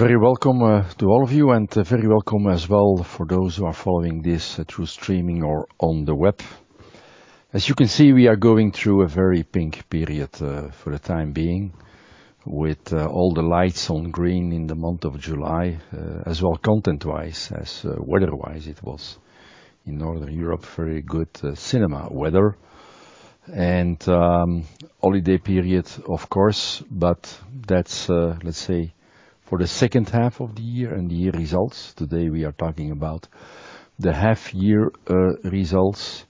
Very welcome to all of you, very welcome as well for those who are following this through streaming or on the web. As you can see, we are going through a very pink period for the time being, with all the lights on green in the month of July, as well content-wise, as weather-wise, it was in Northern Europe, very good cinema weather and holiday period, of course, but that's, let's say, for the second half of the year and the year results. Today, we are talking about the half year results.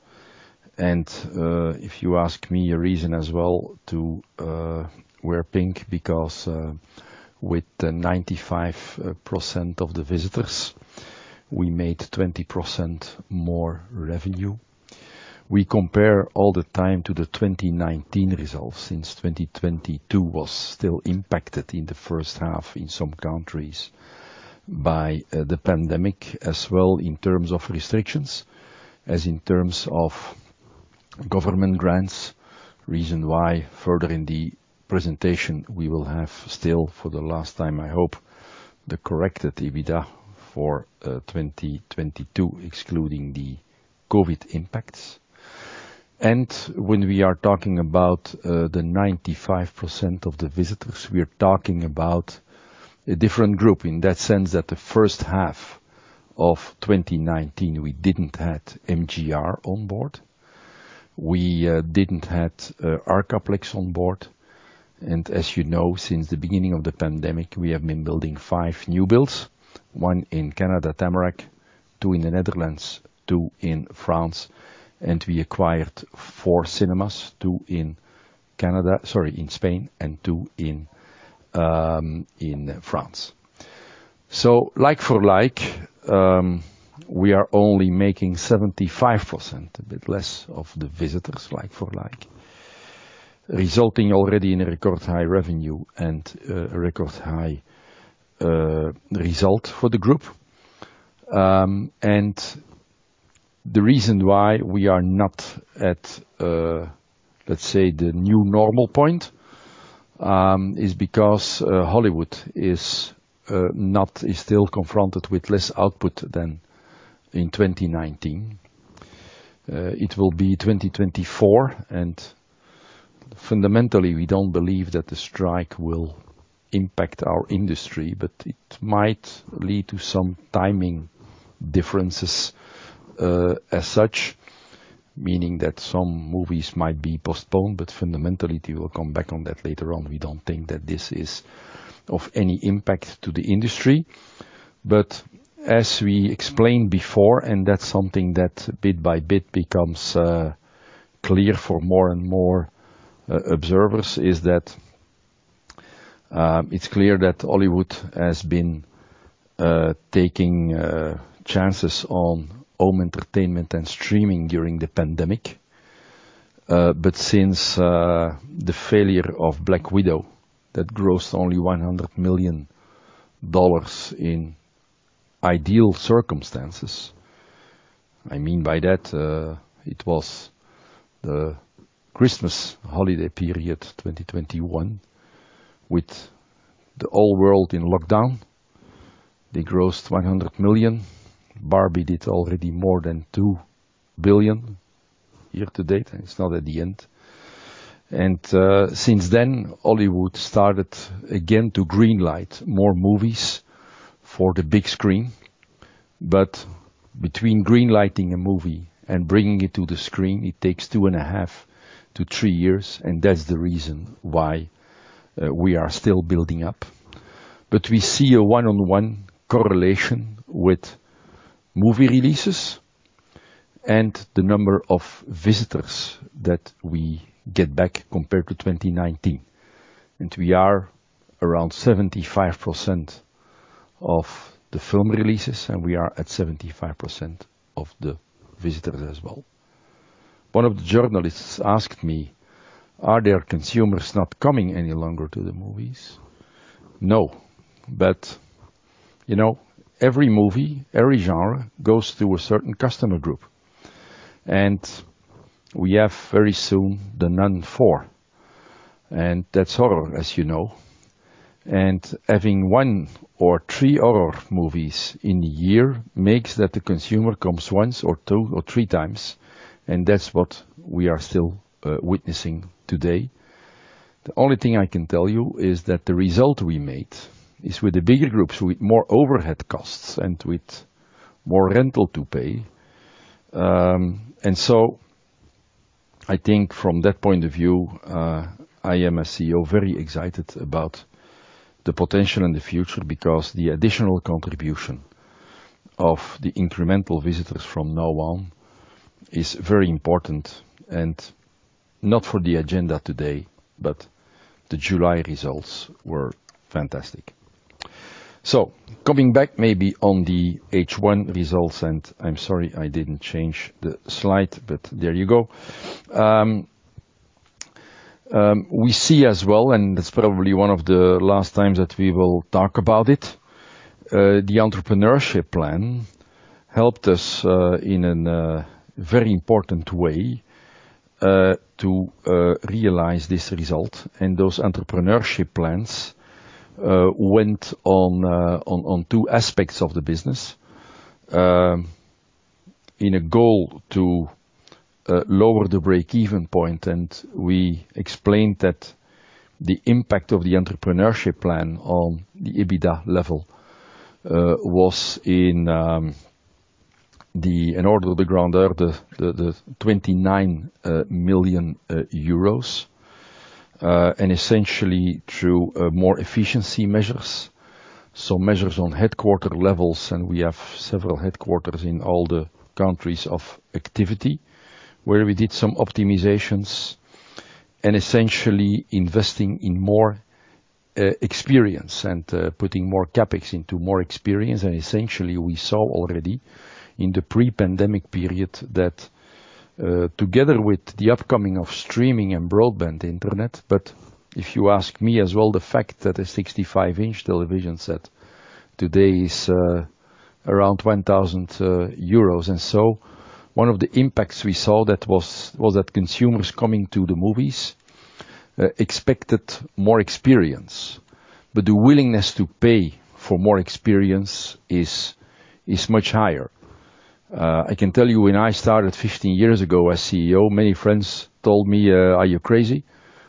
If you ask me a reason as well to wear pink, because with the 95% of the visitors, we made 20% more revenue. We compare all the time to the 2019 results, since 2022 was still impacted in the first half in some countries by the pandemic as well, in terms of restrictions, as in terms of government grants. Reason why further in the presentation, we will have still, for the last time, I hope, the corrected EBITDA for 2022, excluding the COVID impacts. When we are talking about the 95% of the visitors, we are talking about a different group. In that sense, that the first half of 2019, we didn't have MJR on board. We didn't have Arcaplex on board, and as you know, since the beginning of the pandemic, we have been building five new builds, one in Canada, Tamarack, two in the Netherlands, two in France, and we acquired two cinemas, two in Canada. Sorry, in Spain, and two in France. Like for like, we are only making 75%, a bit less of the visitors, like for like, resulting already in a record high revenue and a record high result for the group. The reason why we are not at, let's say, the new normal point, is because Hollywood is not, is still confronted with less output than in 2019. It will be 2024, fundamentally, we don't believe that the strike will impact our industry, it might lead to some timing differences as such, meaning that some movies might be postponed, fundamentally, we will come back on that later on. We don't think that this is of any impact to the industry. As we explained before, and that's something that bit by bit becomes clear for more and more observers, is that it's clear that Hollywood has been taking chances on home entertainment and streaming during the pandemic. Since the failure of Black Widow, that grossed only $100 million in ideal circumstances, I mean by that, it was the Christmas holiday period, 2021, with the whole world in lockdown. They grossed $100 million. Barbie did already more than $2 billion year to date, and it's not at the end. Since then, Hollywood started again to green light more movies for the big screen, but between green lighting a movie and bringing it to the screen, it takes 2.5-3 years, and that's the reason why we are still building up. We see a 1-on-1 correlation with movie releases and the number of visitors that we get back compared to 2019. We are around 75% of the film releases, and we are at 75% of the visitors as well. One of the journalists asked me, "Are there consumers not coming any longer to the movies?" No, you know, every movie, every genre, goes to a certain customer group, and we have very soon The Nun II, and that's horror, as you know. Having one or three horror movies in a year, makes that the consumer comes one or two or three times, and that's what we are still witnessing today. The only thing I can tell you is that the result we made is with the bigger groups, with more overhead costs and with more rental to pay. I think from that point of view, I am as CEO, very excited about the potential in the future, because the additional contribution of the incremental visitors from now on is very important, and not for the agenda today, but the July results were fantastic. Coming back maybe on the H1 results, and I'm sorry, I didn't change the slide, but there you go. We see as well, and that's probably one of the last times that we will talk about it, the business plan helped us in a very important way to realize this result. And those entrepreneurship plans went on on two aspects of the business. In a goal to lower the break-even point, and we explained that the impact of the business plan on the EBITDA level was in the order of 29 million euros. Essentially through more efficiency measures, so measures on headquarter levels, and we have several headquarters in all the countries of activity, where we did some optimizations and essentially investing in more experience and putting more CapEx into more experience. Essentially, we saw already in the pre-pandemic period that, together with the upcoming of streaming and broadband internet, but if you ask me as well, the fact that a 65-inch television set today is around 1,000 euros. One of the impacts we saw that was that consumers coming to the movies expected more experience, but the willingness to pay for more experience is much higher. I can tell you, when I started 15 years ago as CEO, many friends told me, "Are you crazy?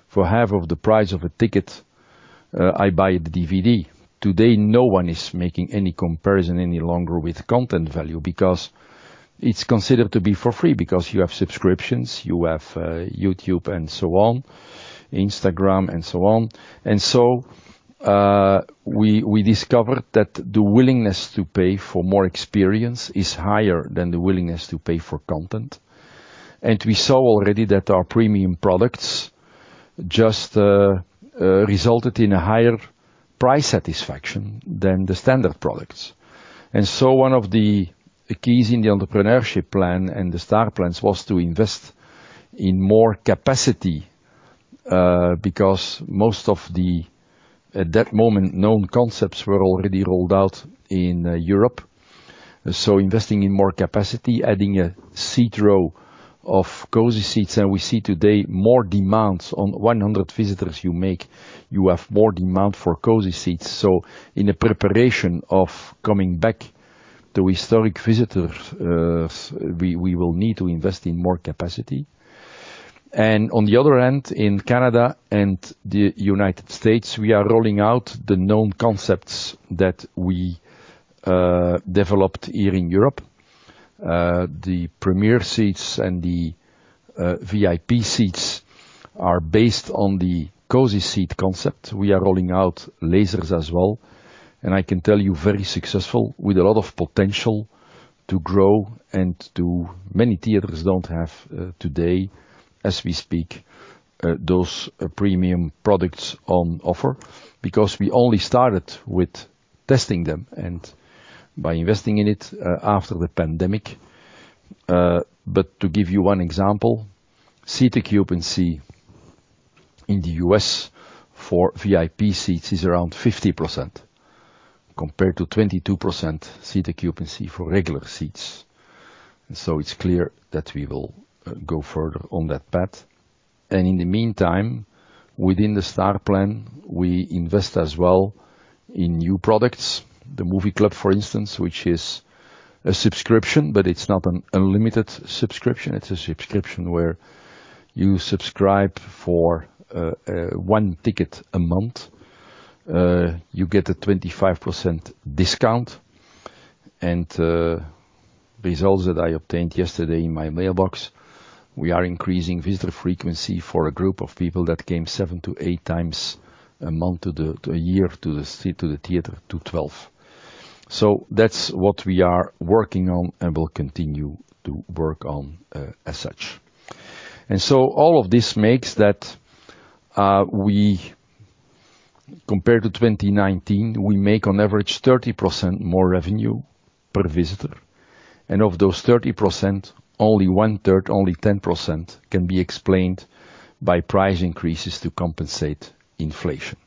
For half of the price of a ticket, I buy the DVD." Today, no one is making any comparison any longer with content value, because it's considered to be for free, because you have subscriptions, you have YouTube and so on, Instagram and so on. We discovered that the willingness to pay for more experience is higher than the willingness to pay for content. We saw already that our premium products just resulted in a higher price satisfaction than the standard products. One of the keys in the business plan and the Star plans was to invest in more capacity, because most of the, at that moment, known concepts were already rolled out in Europe. Investing in more capacity, adding a seat row of Cosy Seats, and we see today more demands. On 100 visitors you make, you have more demand for Cosy Seats. In a preparation of coming back to historic visitors, we, we will need to invest in more capacity. On the other hand, in Canada and the United States, we are rolling out the known concepts that we developed here in Europe. The Premiere Seats and the VIP Seats are based on the Cosy Seat concept. We are rolling out lasers as well, and I can tell you, very successful, with a lot of potential to grow and to... Many theaters don't have, today, as we speak, those premium products on offer, because we only started with testing them and by investing in it, after the pandemic. To give you one example, seat occupancy in the US for VIP Seats is around 50%, compared to 22% seat occupancy for regular seats. It's clear that we will go further on that path. In the meantime, within the Star plan, we invest as well in new products. The Movie Club, for instance, which is a subscription, but it's not an unlimited subscription. It's a subscription where you subscribe for one ticket a month. You get a 25% discount, results that I obtained yesterday in my mailbox, we are increasing visitor frequency for a group of people that came 7-8 times a month to the, to a year, to the theater, to 12. That's what we are working on and will continue to work on as such. All of this makes that we, compared to 2019, we make on average 30% more revenue per visitor. Of those 30%, only 1/3, only 10% can be explained by price increases to compensate inflation.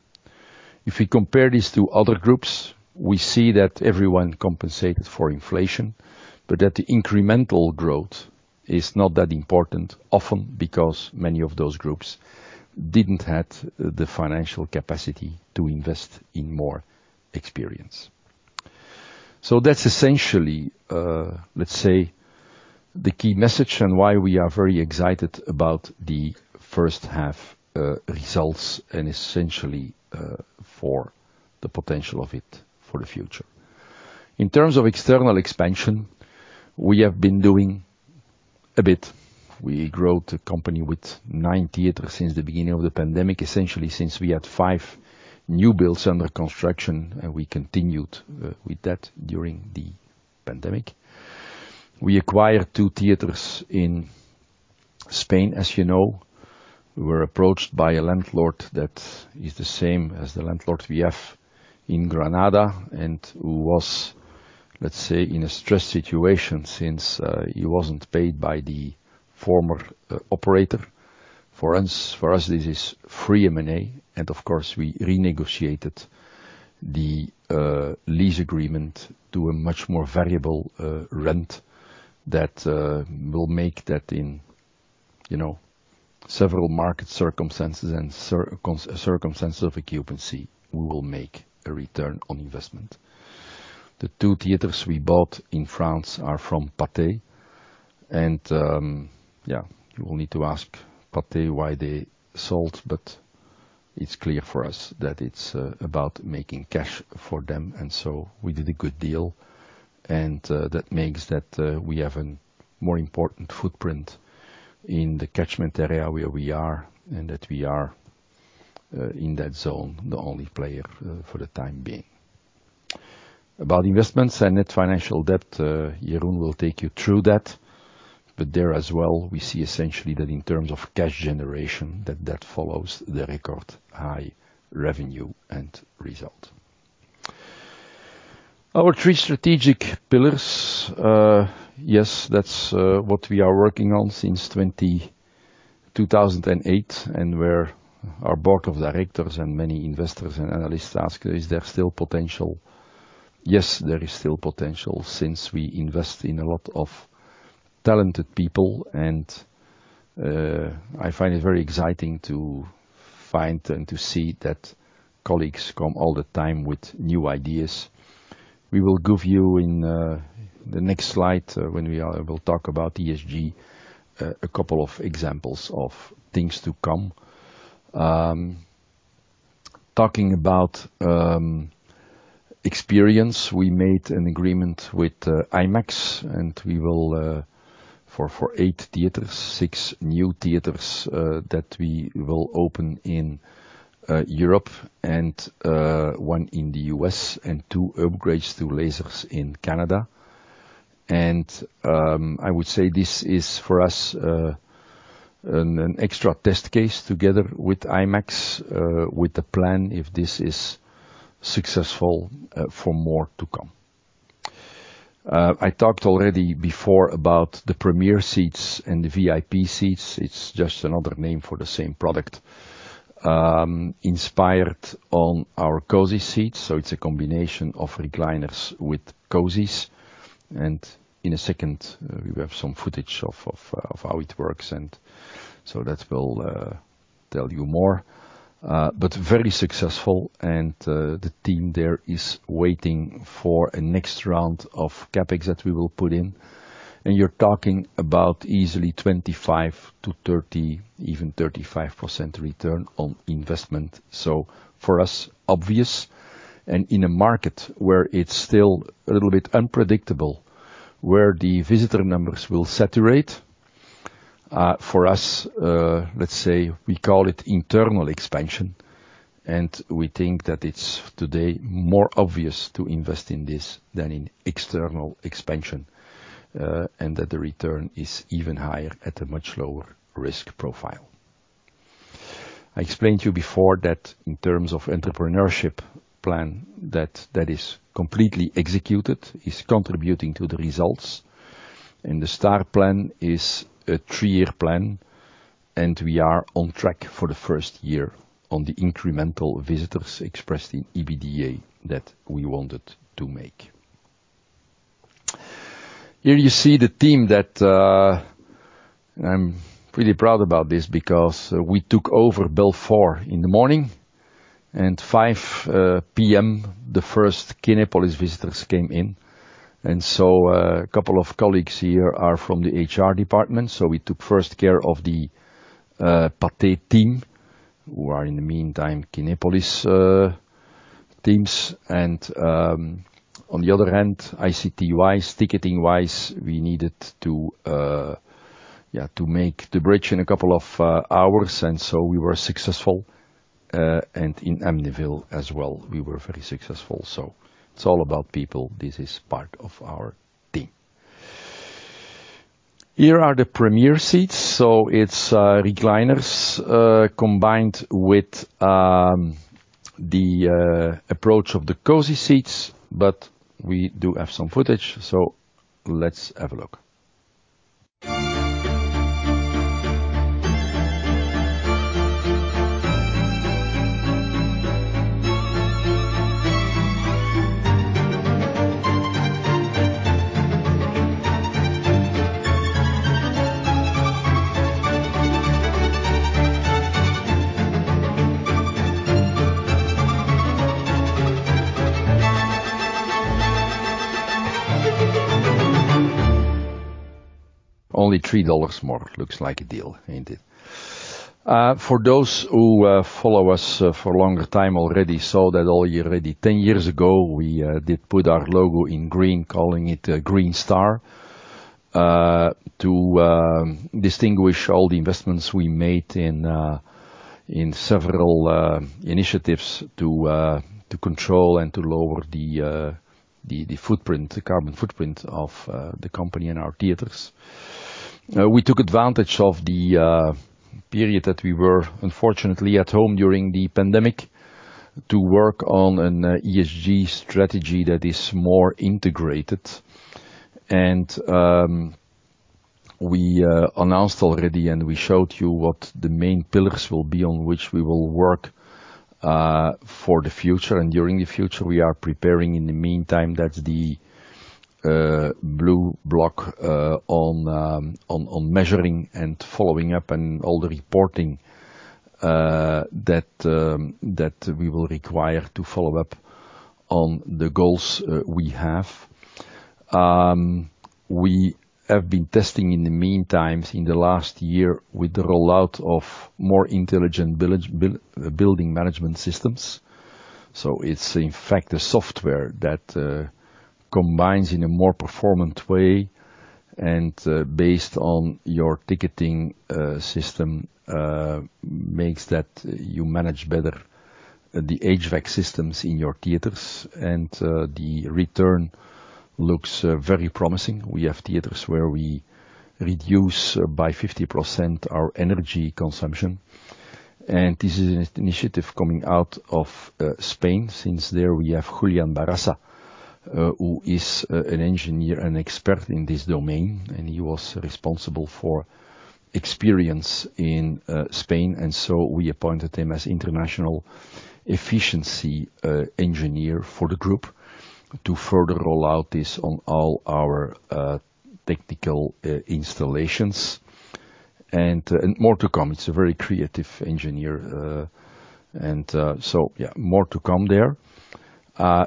If we compare this to other groups, we see that everyone compensated for inflation, but that the incremental growth is not that important, often because many of those groups didn't have the financial capacity to invest in more experience. That's essentially, let's say, the key message and why we are very excited about the first half, results and essentially, for the potential of it for the future. In terms of external expansion, we have been doing a bit. We grew the company with nine theaters since the beginning of the pandemic, since we had five new builds under construction, and we continued with that during the pandemic. We acquired two theaters in Spain, as you know. We were approached by a landlord that is the same as the landlord we have in Granada and who was, let's say, in a stress situation since, he wasn't paid by the former, operator. For us, for us, this is free M&A, and of course, we renegotiated the lease agreement to a much more variable rent that will make that in, you know, several market circumstances and circumstances of occupancy, we will make a return on investment. The two theaters we bought in France are from Pathé, and, yeah, you will need to ask Pathé why they sold, but it's clear for us that it's about making cash for them. We did a good deal, and that makes that we have a more important footprint in the catchment area where we are, and that we are in that zone, the only player for the time being. About investments and net financial debt, Jeroen will take you through that, but there as well, we see essentially that in terms of cash generation, that that follows the record high revenue and result. Our three strategic pillars, yes, that's what we are working on since 2008, and where our board of directors and many investors and analysts ask, "Is there still potential?" Yes, there is still potential since we invest in a lot of talented people, and I find it very exciting to find and to see that colleagues come all the time with new ideas. We will give you in the next slide, when we will talk about ESG, a couple of examples of things to come. Talking about experience, we made an agreement with IMAX, we will, for eight theaters, six new theaters that we will open in Europe and one in the U.S., and two upgrades to lasers in Canada. I would say this is, for us, an extra test case together with IMAX, with the plan, if this is successful, for more to come. I talked already before about the Premiere Seats and the VIP Seats. It's just another name for the same product, inspired on our Cosy Seats. It's a combination of recliners with cozies, and in a second, we have some footage of, of, of how it works, and so that will tell you more. Very successful, and the team there is waiting for a next round of CapEx that we will put in. You're talking about easily 25%-30%, even 35% return on investment. For us, obvious, and in a market where it's still a little bit unpredictable, where the visitor numbers will saturate, for us, let's say we call it internal expansion, and we think that it's today more obvious to invest in this than in external expansion, and that the return is even higher at a much lower risk profile. I explained to you before that in terms of business plan, that that is completely executed, is contributing to the results. The Star plan is a three-year plan, and we are on track for the first year on the incremental visitors expressed in EBITDA that we wanted to make. Here you see the team that. I'm really proud about this because we took over Belfort in the morning, and 5 P.M., the first Kinepolis visitors came in. A couple of colleagues here are from the HR department, so we took first care of the Pathé team, who are in the meantime, Kinepolis teams. On the other hand, ICT-wise, ticketing-wise, we needed to make the bridge in a couple of hours. We were successful. In Amnéville as well, we were very successful. It's all about people. This is part of our team. Here are the Premiere Seats. It's recliners combined with the approach of the Cosy Seats, but we do have some footage, so let's have a look. Only $3 more. Looks like a deal, ain't it? For those who follow us for a longer time already, saw that already 10 years ago, we did put our logo in green, calling it a Green Star, to distinguish all the investments we made in several initiatives to control and to lower the, the footprint, the carbon footprint of the company and our theaters. We took advantage of the period that we were unfortunately at home during the pandemic, to work on an ESG strategy that is more integrated. We announced already and we showed you what the main pillars will be on which we will work for the future. During the future, we are preparing in the meantime, that's the blue block on measuring and following up and all the reporting that we will require to follow up on the goals we have. We have been testing in the meantime, in the last year, with the rollout of more intelligent building management systems. It's in fact, a software that combines in a more performant way and based on your ticketing system, makes that you manage better the HVAC systems in your theaters, and the return looks very promising. We have theaters where we reduce by 50% our energy consumption. This is an initiative coming out of Spain. Since there we have Julián Barraza, who is an engineer and expert in this domain. He was responsible for experience in Spain. We appointed him as international efficiency engineer for the group to further roll out this on all our technical installations. More to come. He's a very creative engineer, so yeah, more to come there.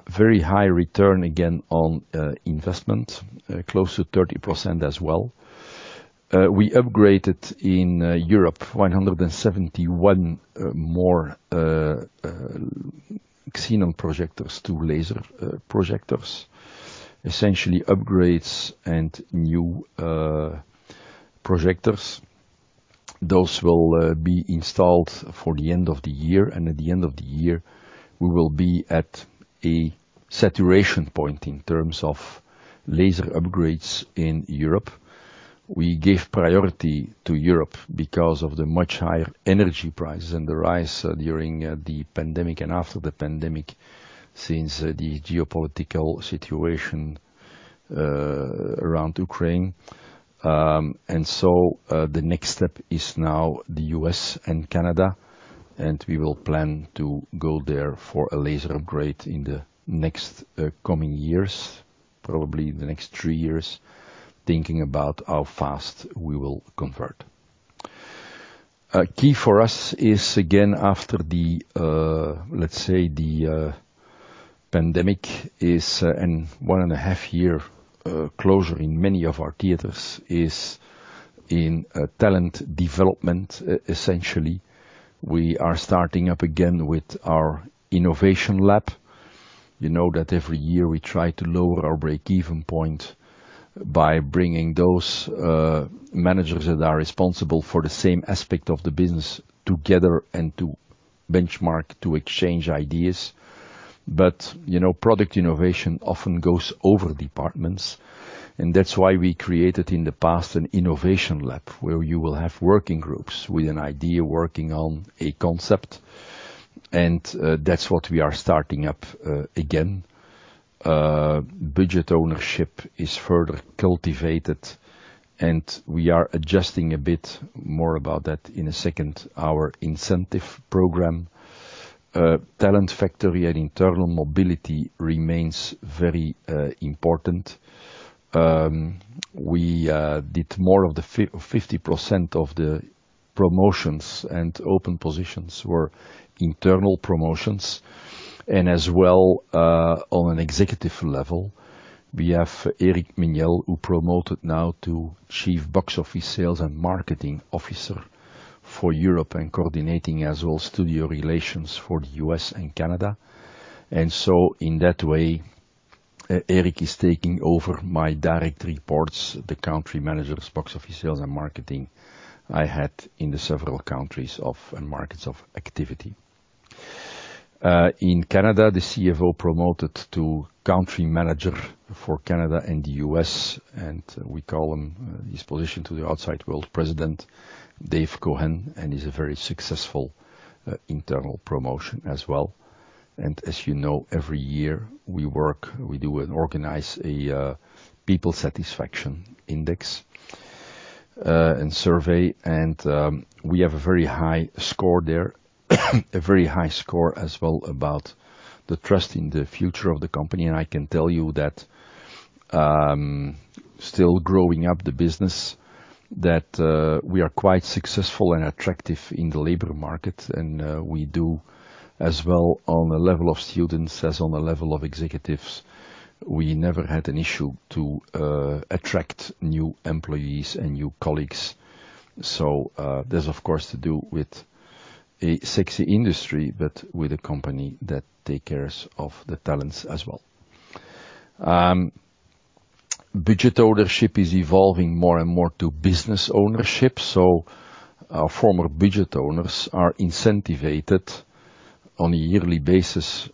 Very high return again on investment, close to 30% as well. We upgraded in Europe 171 more xenon projectors to laser projectors. Essentially upgrades and new projectors. Those will be installed for the end of the year, and at the end of the year, we will be at a saturation point in terms of laser upgrades in Europe. We gave priority to Europe because of the much higher energy prices and the rise during the pandemic and after the pandemic, since the geopolitical situation around Ukraine. The next step is now the U.S. and Canada, and we will plan to go there for a laser upgrade in the next coming years, probably in the next three years, thinking about how fast we will convert. A key for us is again, after the, let's say the pandemic is, and one and a half year closure in many of our theaters, is in talent development, essentially. We are starting up again with our innovation lab. You know that every year we try to lower our break-even point by bringing those managers that are responsible for the same aspect of the business together and to benchmark, to exchange ideas. You know, product innovation often goes over departments, and that's why we created in the past an innovation lab, where you will have working groups with an idea, working on a concept, and that's what we are starting up again. Budget ownership is further cultivated, and we are adjusting a bit, more about that in a second, our incentive program. Talent factory and internal mobility remains very important. We did more of the 50% of the promotions and open positions were internal promotions, as well, on an executive level, we have Éric Meyniel, who promoted now to Chief Box Office, Sales and Marketing Officer for Europe, and coordinating as well, studio relations for the U.S. and Canada. In that way, Eric is taking over my direct reports, the country managers, box office sales and marketing I had in the several countries of and markets of activity. In Canada, the CFO promoted to country manager for Canada and the U.S., and we call him, his position to the outside world, President David Cohen, and he's a very successful internal promotion as well. As you know, every year we work, we do and organize a Employee Satisfaction Index and survey, and we have a very high score there. A very high score as well about the trust in the future of the company. I can tell you that, still growing up the business, that we are quite successful and attractive in the labor market, and we do as well on the level of students, as on the level of executives. We never had an issue to attract new employees and new colleagues. That's of course, to do with a sexy industry, but with a company that take cares of the talents as well. Budget ownership is evolving more and more to business ownership, so our former budget owners are incentivized, on a yearly basis,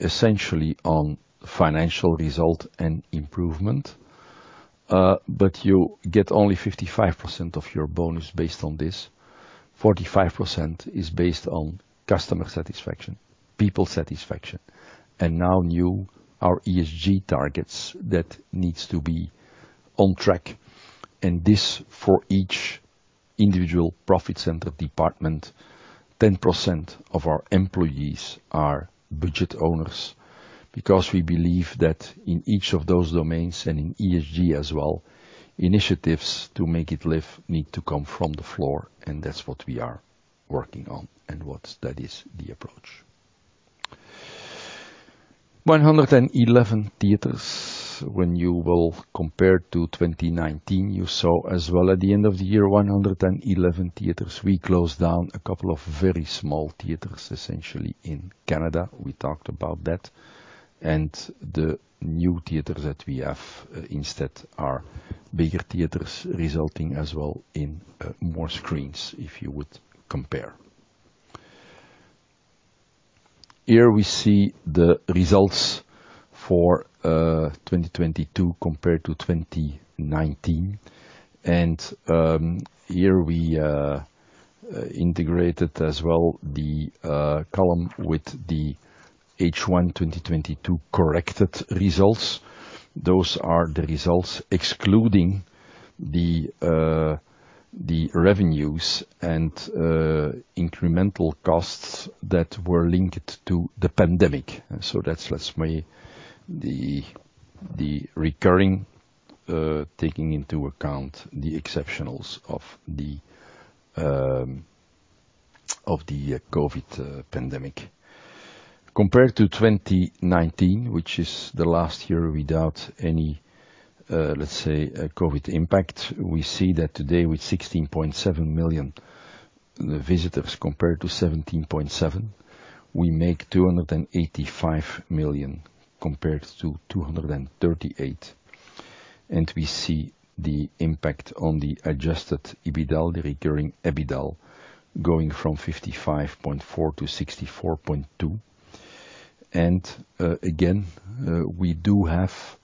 essentially on financial result and improvement. You get only 55% of your bonus based on this. 45% is based on customer satisfaction, people satisfaction, and now new, our ESG targets that needs to be on track, and this for each individual profit center department. 10% of our employees are budget owners, because we believe that in each of those domains, and in ESG as well, initiatives to make it live need to come from the floor, and that's what we are working on, and that is the approach. 111 theaters. When you will compare to 2019, you saw as well at the end of the year, 111 theaters. We closed down a couple of very small theaters, essentially in Canada. We talked about that. The new theaters that we have instead are bigger theaters, resulting as well in more screens, if you would compare. Here we see the results for 2022 compared to 2019, and here we integrated as well, the column with the H1 2022 corrected results. Those are the results, excluding the revenues and incremental costs that were linked to the pandemic. That's, that's mainly the recurring, taking into account the exceptionals of the COVID pandemic. Compared to 2019, which is the last year without any, let's say, a COVID impact, we see that today with 16.7 million visitors, compared to 17.7 million, we make 285 million compared to 238 million, and we see the impact on the Adjusted EBITDA, the recurring EBITDA, going from 55.4 million to 64.2 million. Again, we do have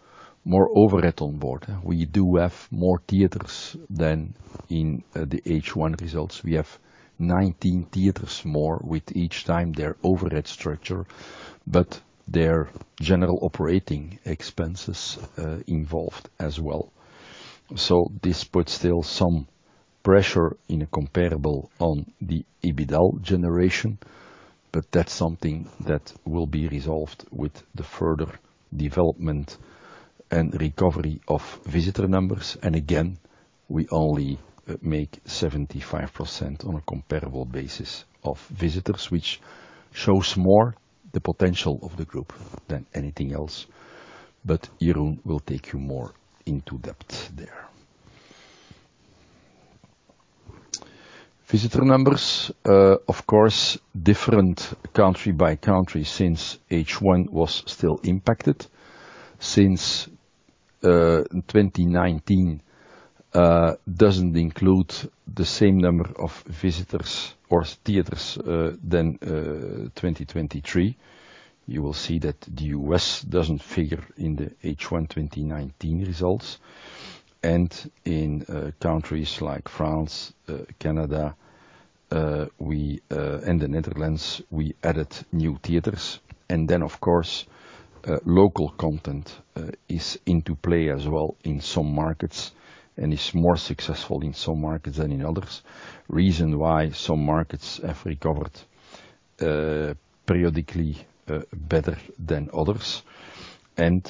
more overhead on board. We do have more theaters than in the H1 results. We have 19 theaters, more with each time their overhead structure, but their general operating expenses involved as well. This puts still some pressure in a comparable on the EBITDA generation, but that's something that will be resolved with the further development and recovery of visitor numbers. Again, we only make 75% on a comparable basis of visitors, which shows more the potential of the group than anything else. Jeroen will take you more into depth there. Visitor numbers, of course, different country by country, since H1 was still impacted. Since 2019 doesn't include the same number of visitors or theaters than 2023, you will see that the U.S. doesn't figure in the H1 2019 results. In countries like France, Canada, we and the Netherlands, we added new theaters. Then, of course, local content is into play as well in some markets, and is more successful in some markets than in others. Reason why some markets have recovered periodically better than others. The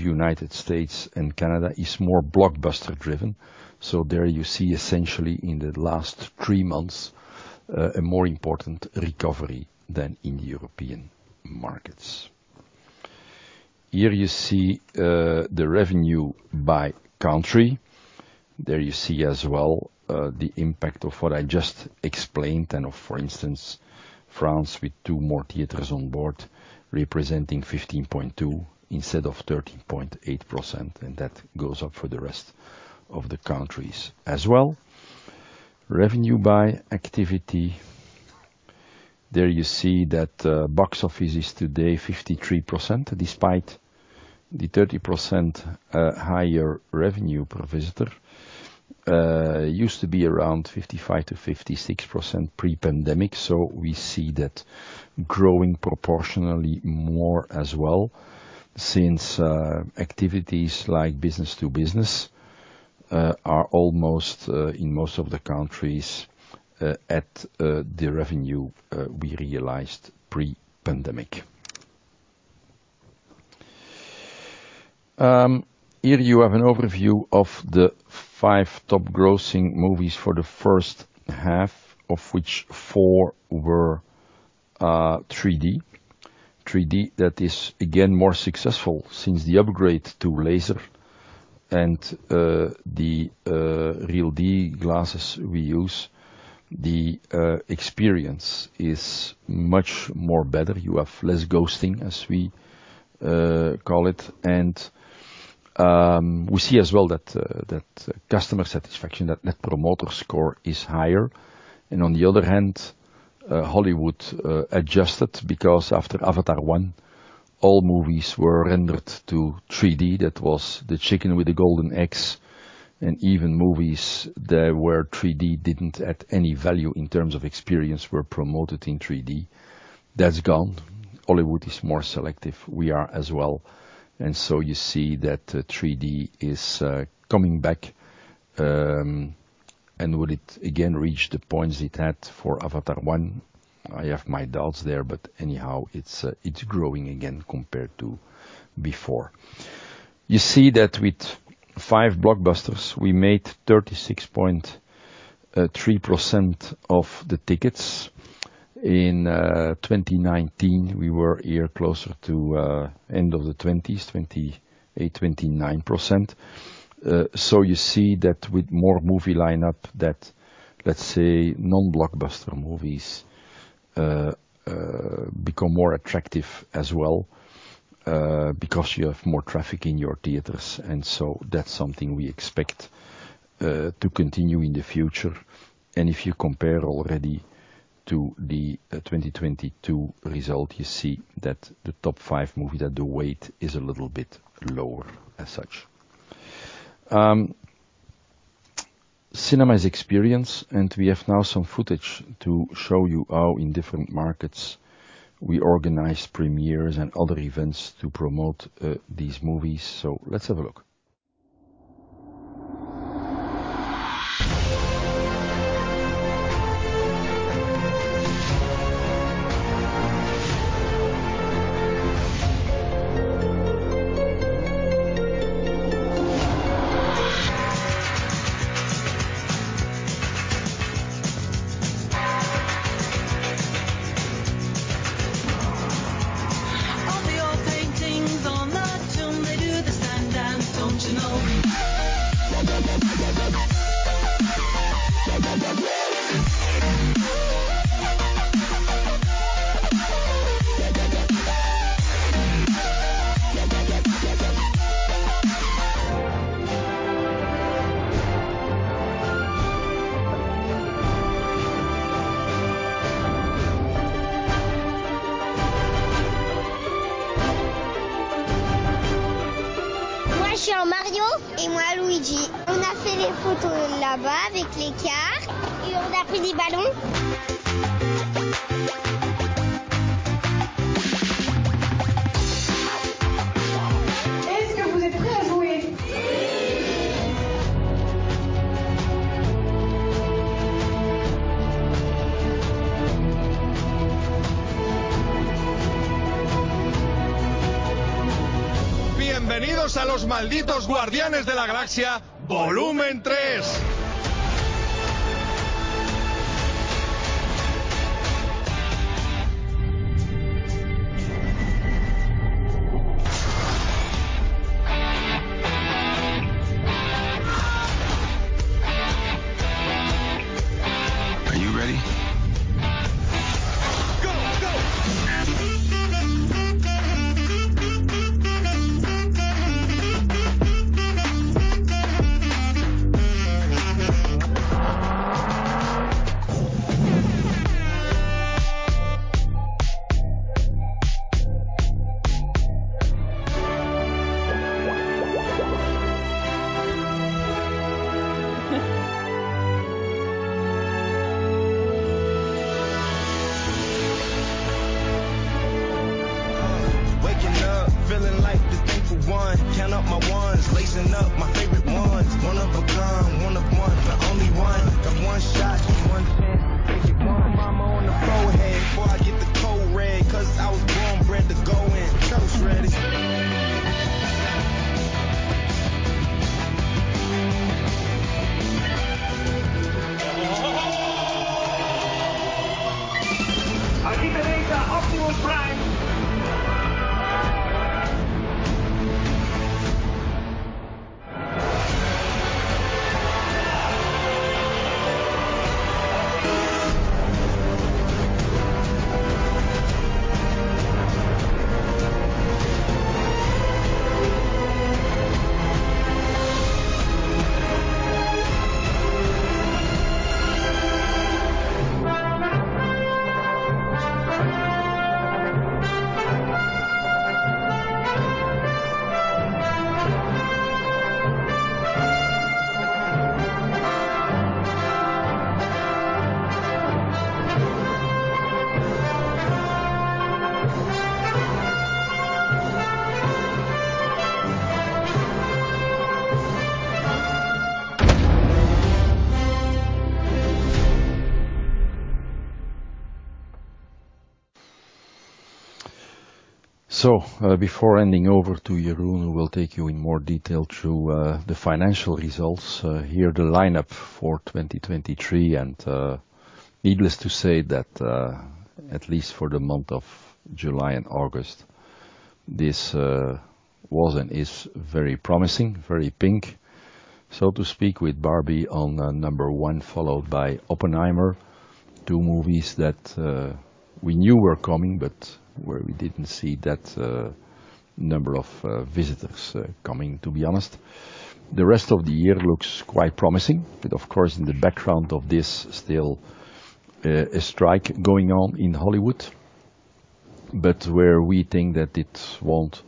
United States and Canada is more blockbuster-driven. There you see essentially in the last three months, a more important recovery than in European markets. Here you see, the revenue by country. There you see as well, the impact of what I just explained, and of, for instance, France, with two more theaters on board, representing 15.2 instead of 13.8%, and that goes up for the rest of the countries as well. Revenue by activity. There you see that, box office is today 53%, despite the 30% higher revenue per visitor. Used to be around 55%-56% pre-pandemic, so we see that growing proportionally more as well, since activities like business to business are almost in most of the countries at the revenue we realized pre-pandemic. Here you have an overview of the five top grossing movies for the first half, of which four were 3D. 3D, that is again, more successful since the upgrade to laser and the RealD glasses we use. The experience is much more better. You have less ghosting, as we call it. We see as well that customer satisfaction, that Net Promoter Score is higher. On the other hand, Hollywood adjusted because after Avatar one, all movies were rendered to 3D. That was the chicken with the golden eggs, and even movies that were 3D didn't add any value in terms of experience, were promoted in 3D. That's gone. Hollywood is more selective. We are as well. So you see that 3D is coming back, and will it again reach the points it had for Avatar one? I have my doubts there, but anyhow, it's growing again compared to before. You see that with five blockbusters, we made 36.3% of the tickets. In 2019, we were here closer to end of the 20s, 28%, 29%. So you see that with more movie lineup, that, let's say, non-blockbuster movies become more attractive as well, because you have more traffic in your theaters, and so that's something we expect to continue in the future. If you compare already to the 2022 result, you see that the top five movies, that the weight is a little bit lower as such. Cinema is experience, we have now some footage to show you how in different markets, we organize premieres and other events to promote these movies. Let's have a look. Before handing over to Jeroen, we'll take you in more detail through the financial results. Here, the lineup for 2023, needless to say that, at least for the month of July and August, this was and is very promising, very pink, so to speak, with Barbie on number one, followed by Oppenheimer. Two movies that we knew were coming, where we didn't see that number of visitors coming, to be honest. The rest of the year looks quite promising, of course, in the background of this, still a strike going on in Hollywood. Where we think that it won't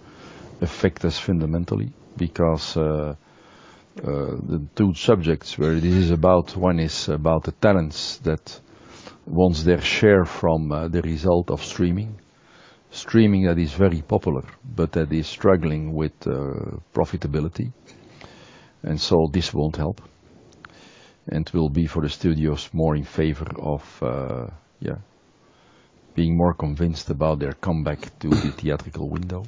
affect us fundamentally, because the two subjects where it is about, one is about the talents that wants their share from the result of streaming. Streaming that is very popular, but that is struggling with profitability, and this won't help. Will be for the studios more in favor of, yeah, being more convinced about their comeback to the theatrical window.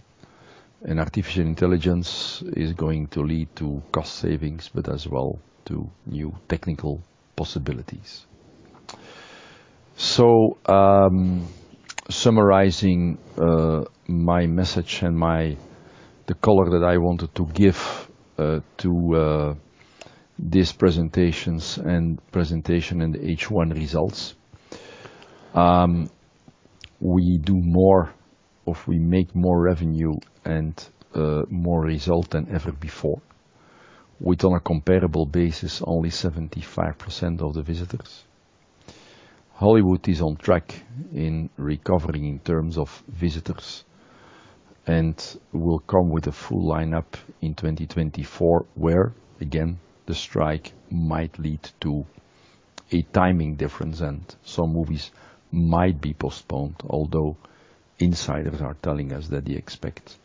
Artificial intelligence is going to lead to cost savings, but as well, to new technical possibilities. Summarizing my message and my- the color that I wanted to give to these presentations and presentation and H1 results. We do more or we make more revenue and more result than ever before, with on a comparable basis, only 75% of the visitors. Hollywood is on track in recovering in terms of visitors, and will come with a full lineup in 2024, where, again, the strike might lead to a timing difference, and some movies might be postponed. Although, insiders are telling us that they expect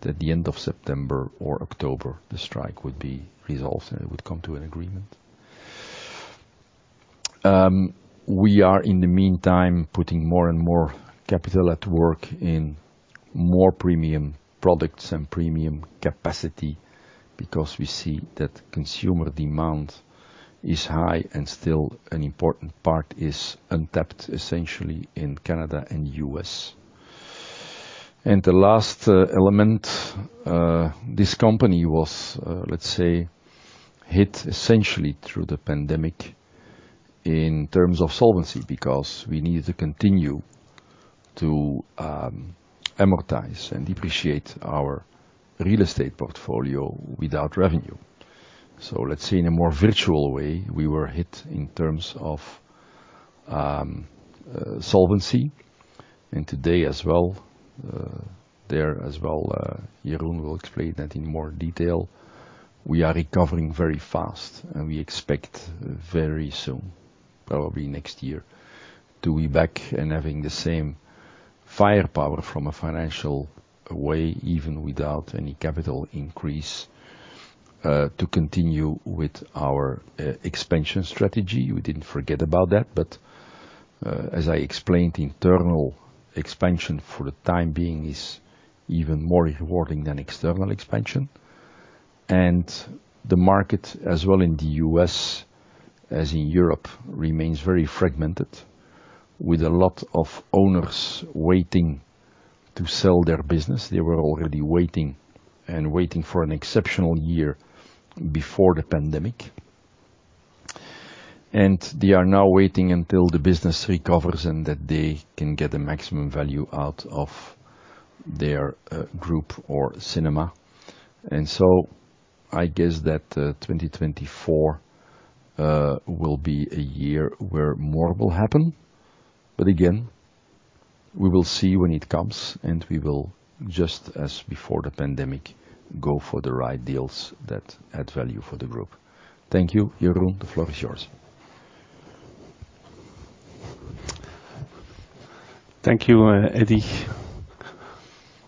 that the end of September or October, the strike would be resolved, and it would come to an agreement. We are, in the meantime, putting more and more capital at work in more premium products and premium capacity, because we see that consumer demand is high and still an important part is untapped, essentially in Canada and U.S. The last element, this company was, let's say, hit essentially through the pandemic in terms of solvency, because we needed to continue to amortize and depreciate our real estate portfolio without revenue. Let's say in a more virtual way, we were hit in terms of solvency. Today as well, there as well, Jeroen will explain that in more detail. We are recovering very fast. We expect very soon, probably next year, to be back and having the same firepower from a financial way, even without any capital increase, to continue with our expansion strategy. We didn't forget about that. As I explained, internal expansion for the time being is even more rewarding than external expansion. The market as well in the US, as in Europe, remains very fragmented, with a lot of owners waiting to sell their business. They were already waiting, and waiting for an exceptional year before the pandemic. They are now waiting until the business recovers and that they can get the maximum value out of their group or cinema. I guess that 2024 will be a year where more will happen. Again, we will see when it comes, and we will, just as before the pandemic, go for the right deals that add value for the group. Thank you. Jeroen, the floor is yours. Thank you, Eddy.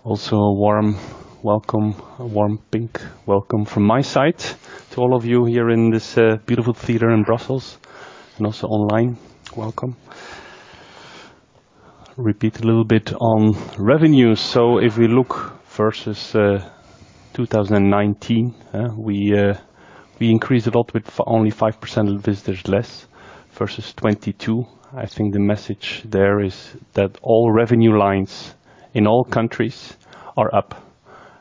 Also, a warm welcome, a warm pink welcome from my side to all of you here in this beautiful theater in Brussels, and also online, welcome. Repeat a little bit on revenue. If we look versus 2019, we increased a lot with only 5% of visitors less versus 2022. I think the message there is that all revenue lines in all countries are up.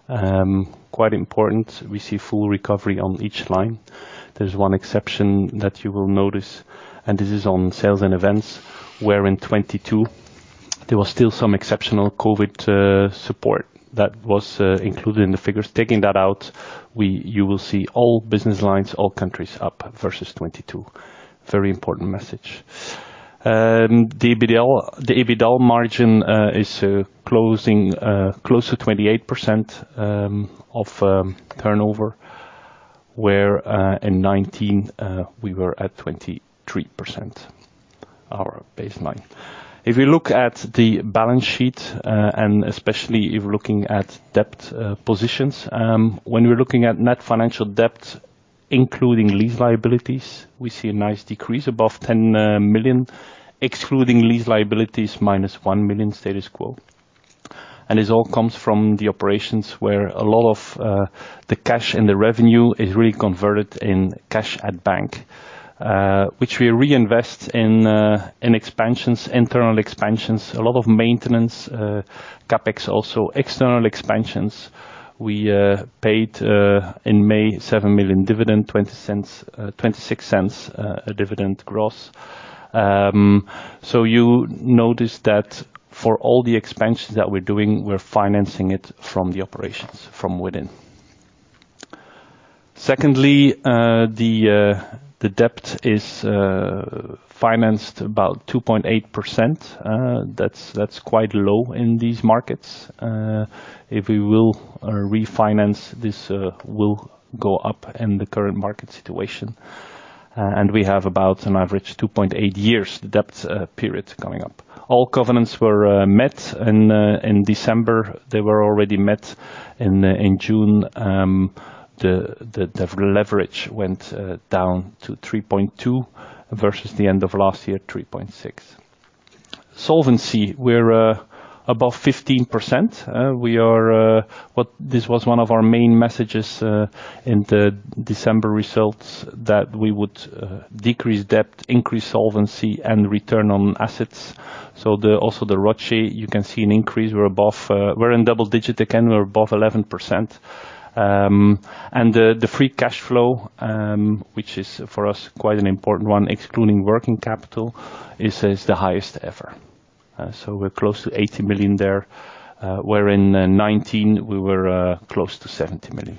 Quite important, we see full recovery on each line. There's one exception that you will notice, and this is on sales and events, where in 2022, there was still some exceptional COVID support that was included in the figures. Taking that out, you will see all business lines, all countries up versus 2022. Very important message. The EBITDAL, the EBITDA margin, is closing close to 28% of turnover, where in 2019 we were at 23%, our baseline. If we look at the balance sheet, and especially if we're looking at debt positions, when we're looking at net financial debt, including lease liabilities, we see a nice decrease above 10 million, excluding lease liabilities, minus 1 million status quo. This all comes from the operations where a lot of the cash and the revenue is really converted in cash at bank, which we reinvest in expansions, internal expansions, a lot of maintenance CapEx, also external expansions. We paid in May, 7 million dividend, 0.20, 0.26 a dividend gross. You notice that for all the expansions that we're doing, we're financing it from the operations from within. Secondly, the debt is financed about 2.8%. That's, that's quite low in these markets. If we will refinance, this will go up in the current market situation. We have about an average 2.8 years debt period coming up. All covenants were met in December. They were already met in June. The leverage went down to 3.2 versus the end of last year, 3.6. Solvency, we're above 15%. We are, but this was one of our main messages in the December results, that we would decrease debt, increase solvency, and return on assets. Also the ROCE, you can see an increase. We're above, we're in double-digit again, we're above 11%. The free cash flow, which is for us, quite an important one, excluding working capital, is, is the highest ever. We're close to 80 million there, where in 2019 we were close to 70 million.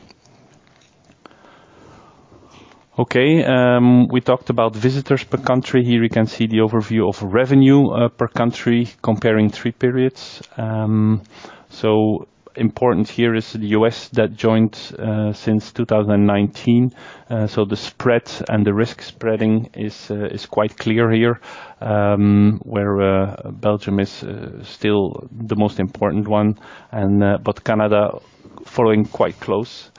We talked about visitors per country. Here you can see the overview of revenue per country, comparing three periods. Important here is the US that joined since 2019. The spread and the risk spreading is quite clear here. Where Belgium is still the most important one, and but Canada following quite close.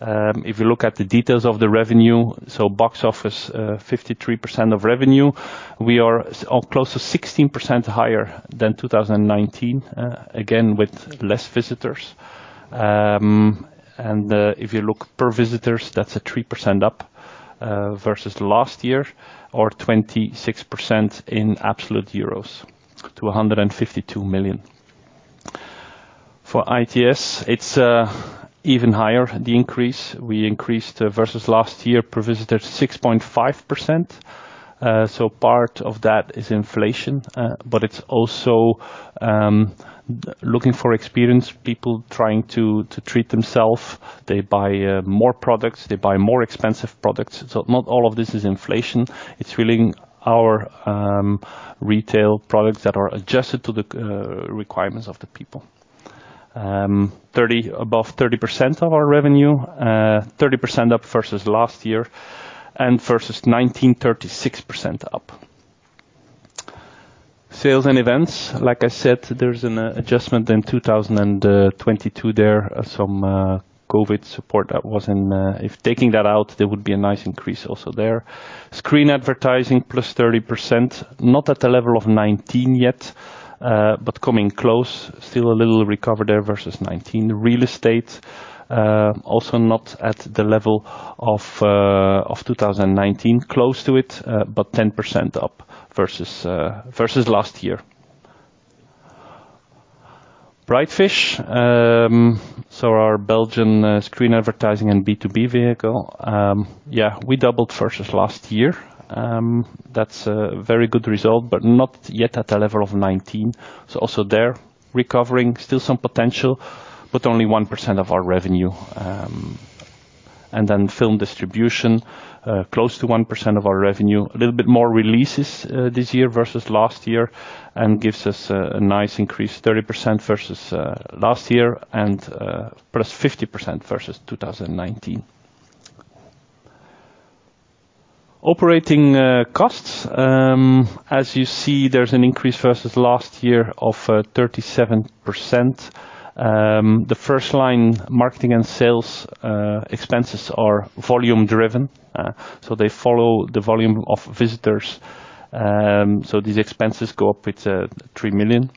If you look at the details of the revenue, box office, 53% of revenue, we are close to 16% higher than 2019, again, with less visitors. If you look per visitors, that's a 3% up versus last year, or 26% in absolute EUR, to 152 million euros. For ITS, it's even higher, the increase. We increased versus last year, per visitor, 6.5%. Part of that is inflation, but it's also looking for experienced people, trying to treat themselves. They buy more products, they buy more expensive products. Not all of this is inflation, it's really our retail products that are adjusted to the requirements of the people. 30, above 30% of our revenue, 30% up versus last year, versus 2019 36% up. Sales and events, like I said, there's an adjustment in 2022 there, of some COVID support that was in there. If taking that out, there would be a nice increase also there. Screen advertising, +30%, not at the level of 2019 yet, coming close. Still a little recover there versus 2019. Real estate, also not at the level of 2019. Close to it, 10% up versus versus last year. Brightfish, our Belgian Screen advertising and B2B vehicle. Yeah, we doubled versus last year. That's a very good result, not yet at the level of 2019. Also there, recovering. Still some potential, only 1% of our revenue. Then film distribution, close to 1% of our revenue. A little bit more releases this year versus last year, gives us a nice increase, 30% versus last year, and +50% versus 2019. Operating costs, as you see, there's an increase versus last year of 37%. The first line, marketing and sales expenses are volume driven, so they follow the volume of visitors. These expenses go up with 3 million.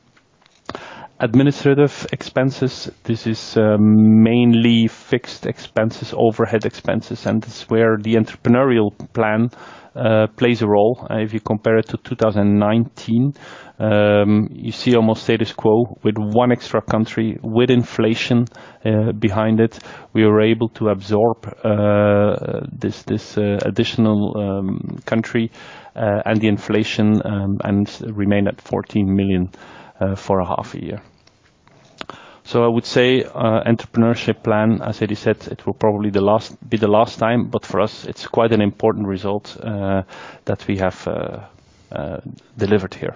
Administrative expenses, this is mainly fixed expenses, overhead expenses, this is where the entrepreneurial plan plays a role. If you compare it to 2019, you see almost status quo with 1 extra country, with inflation behind it. We were able to absorb this, this additional country and the inflation and remain at 14 million for a half a year. I would say business plan, as Eddy said, it will probably be the last time, but for us, it's quite an important result that we have delivered here.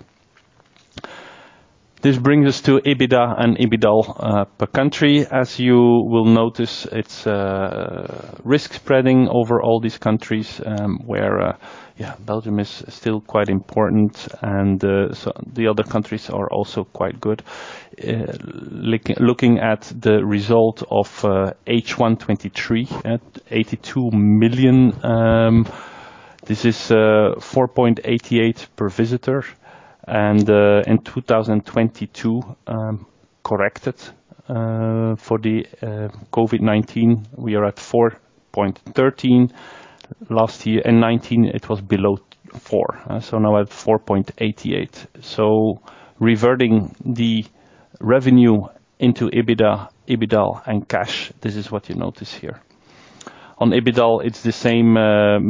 This brings us to EBITDA and EBITDA per country. As you will notice, it's a risk spreading over all these countries where Belgium is still quite important and the other countries are also quite good. Looking at the result of H1 2023 at 82 million, this is 4.88 per visitor. In 2022, corrected for the COVID-19, we are at 4.13. Last year, in 2019, it was below two, four, so now at 4.88. Reverting the revenue into EBITDA, EBITDA, and cash, this is what you notice here. On EBITDA, it's the same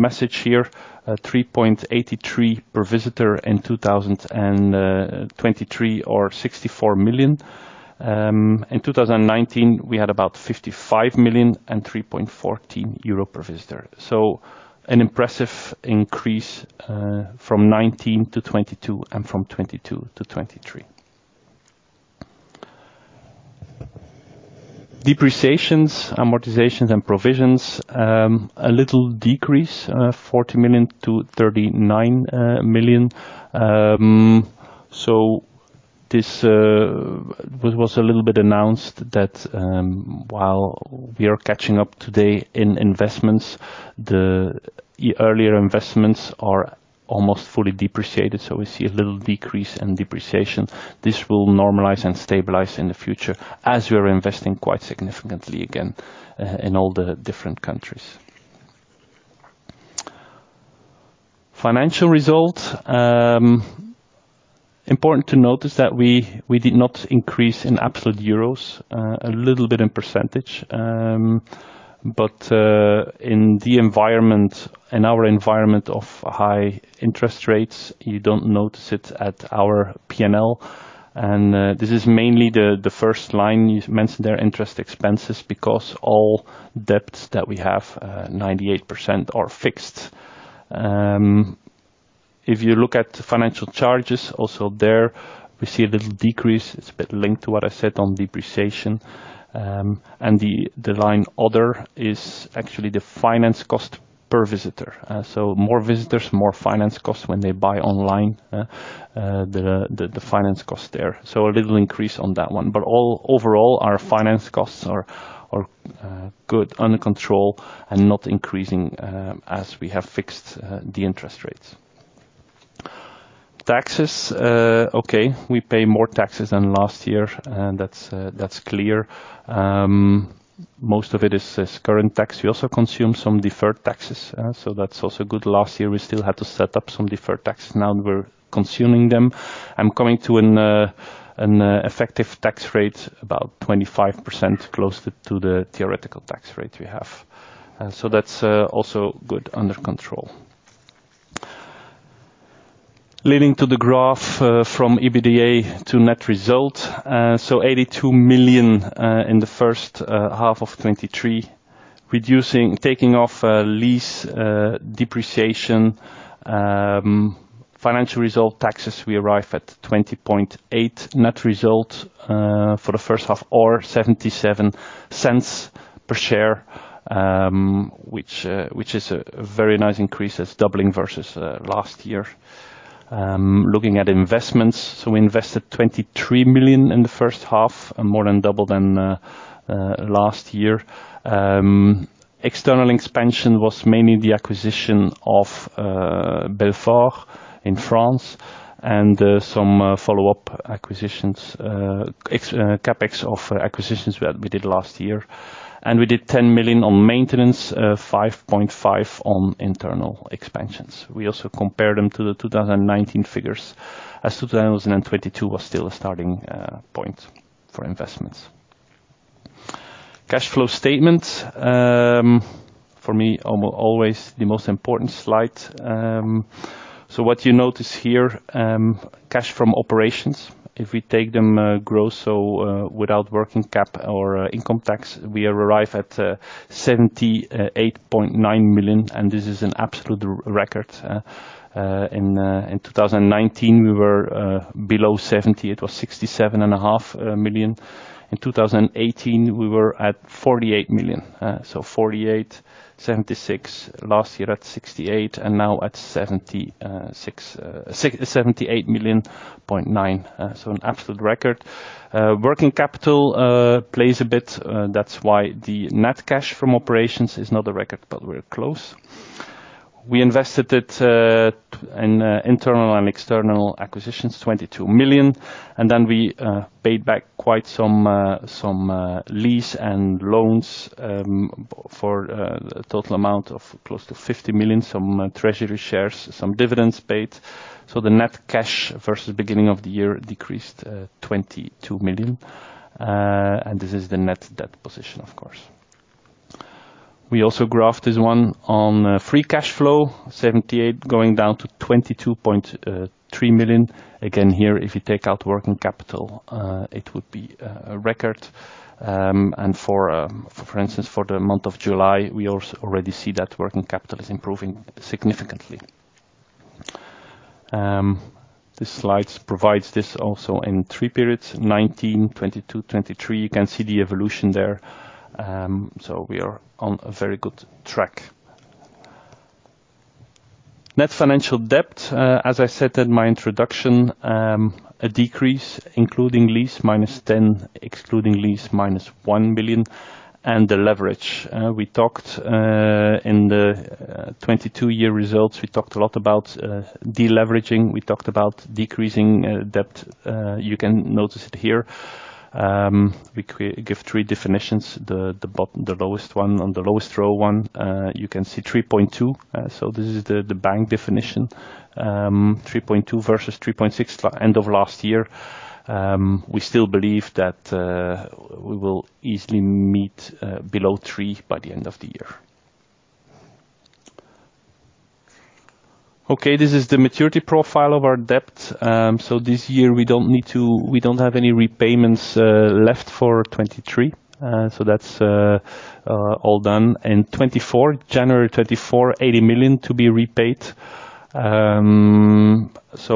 message here, 3.83 per visitor in 2023 or 64 million. In 2019, we had about 55 million and 3.14 euro per visitor. An impressive increase from 2019 to 2022 and from 2022 to 2023. Depreciations, amortizations, and provisions, a little decrease, 40 million to 39 million. This was a little bit announced that while we are catching up today in investments, the earlier investments are almost fully depreciated, so we see a little decrease in depreciation. This will normalize and stabilize in the future as we are investing quite significantly again, in all the different countries. Financial result. Important to note is that we, we did not increase in absolute EUR, a little bit in %. In the environment, in our environment of high interest rates, you don't notice it at our P&L. This is mainly the, the first line, you mentioned their interest expenses, because all debts that we have, 98% are fixed. If you look at financial charges, also there, we see a little decrease. It's a bit linked to what I said on depreciation. The, the line other is actually the finance cost per visitor. More visitors, more finance costs when they buy online, the, the, the finance cost there. A little increase on that one. All overall, our finance costs are, are good, under control, and not increasing, as we have fixed the interest rates. Taxes, okay, we pay more taxes than last year, and that's clear. Most of it is, is current tax. We also consume some deferred taxes, so that's also good. Last year, we still had to set up some deferred axes. Now, we're consuming them and coming to an effective tax rate, about 25% closer to the theoretical tax rate we have. That's also good under control. Leading to the graph from EBITDA to net result. 82 million in the first half of 2023, taking off lease depreciation, financial result, taxes, we arrive at 20.8 net result for the first half, or 0.77 per share, which is a very nice increase. It's doubling versus last year. Looking at investments, we invested 23 million in the first half, more than double than last year. External expansion was mainly the acquisition of Belfort in France and some follow-up acquisitions, ex CapEx of acquisitions we did last year. We did 10 million on maintenance, 5.5 million on internal expansions. We also compared them to the 2019 figures, as 2022 was still a starting point for investments. Cash flow statement, for me, always the most important slide. What you notice here, cash from operations, if we take them gross, so, without working cap or income tax, we have arrived at 78.9 million, and this is an absolute record. In 2019, we were below 70. It was 67.5 million. In 2018, we were at 48 million. 48, 76, last year at 68, and now at 76, 78.9 million. An absolute record. Working capital plays a bit, that's why the net cash from operations is not a record, but we're close. We invested it in internal and external acquisitions, 22 million, and then we paid back quite some lease and loans for a total amount of close to 50 million, some treasury shares, some dividends paid. The net cash versus beginning of the year decreased 22 million. This is the net debt position, of course. We also graphed this one on free cash flow, 78, going down to 22.3 million. Again, here, if you take out working capital, it would be a record. For instance, for the month of July, we already see that working capital is improving significantly. This slide provides this also in three periods, 2019, 2022, 2023. You can see the evolution there. We are on a very good track. Net financial debt, as I said in my introduction, a decrease, including lease minus 10, excluding lease minus 1 billion. The leverage. We talked in the 2022 year results, we talked a lot about deleveraging. We talked about decreasing debt. You can notice it here. We give three definitions. The lowest one, on the lowest row one, you can see 3.2. This is the bank definition, 3.2 versus 3.6 end of last year. We still believe that we will easily meet below 3 by the end of the year. This is the maturity profile of our debt. This year we don't need to... We don't have any repayments left for 2023. That's all done. In 2024, January 24, 80 million to be repaid.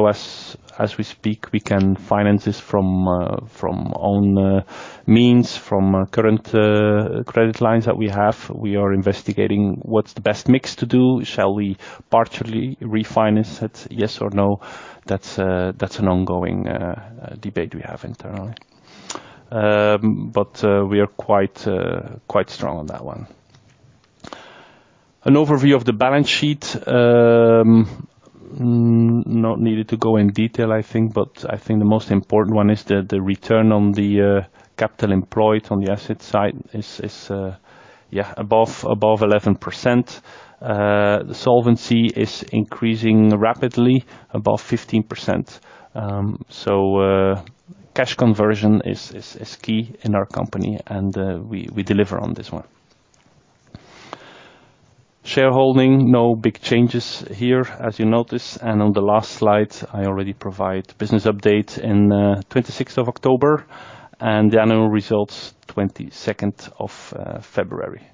As, as we speak, we can finance this from own means, from current credit lines that we have. We are investigating what's the best mix to do. Shall we partially refinance it, yes or no? That's, that's an ongoing debate we have internally. We are quite strong on that one. An overview of the balance sheet. Not needed to go in detail, I think, but I think the most important one is the, the return on the capital employed on the asset side is, is, yeah, above, above 11%. The Solvency is increasing rapidly, above 15%. Cash conversion is, is, is key in our company, and we, we deliver on this one. Shareholding, no big changes here, as you notice. On the last slide, I already provide business update in, 26th of October, and the annual results, 22nd of February.